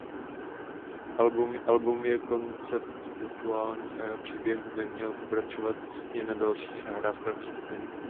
Album je konceptuální a jeho příběh by měl pokračovat i na dalších nahrávkách skupiny.